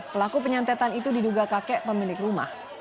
pelaku penyantetan itu diduga kakek pemilik rumah